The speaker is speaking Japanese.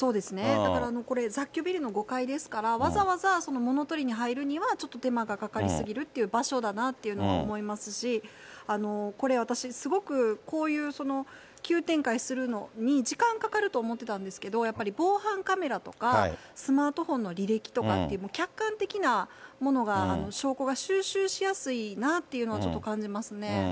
だからこれ、雑居ビルの５階ですから、わざわざ物取りに入るには、ちょっと手間がかかり過ぎるっていう場所だなっていうのは思いますし、これ、私、すごくこういう急展開するのに時間かかると思ってたんですけど、やっぱり防犯カメラとか、スマートフォンの履歴とかって、客観的なものが、証拠が収集しやすいなっていうのをちょっと感じますね。